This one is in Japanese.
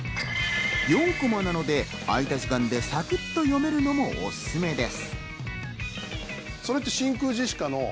４コマなので空いた時間でサクっと読めるのもおすすめです。